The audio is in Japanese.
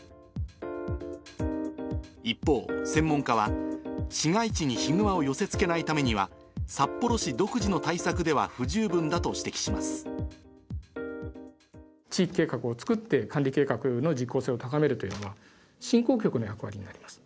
一方、専門家は、市街地にヒグマを寄せつけないためには、札幌市独自の対策では不地域計画を作って、管理計画の実効性を高めるというのは、振興局の役割になります。